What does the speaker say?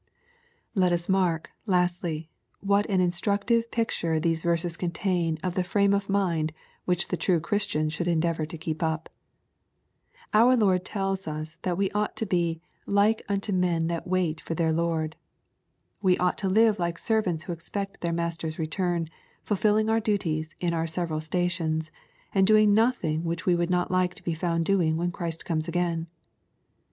Let us mark, lastly, what an instructive picture these verses contain of the frame of mind which the true ChriS" tian should endeavor to keep up. Our Lord teUs us that we ought to be "like unto men that wait for. their Lord." We ought to live like servants who expect their Master's return, fulfilling our duties in our several sta tions, and doing nothing which we would not like to be found doing when Christ comes again.